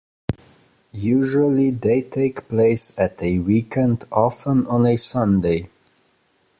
Usually they take place at a weekend, often on a Sunday.